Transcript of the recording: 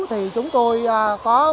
thì chúng tôi có mức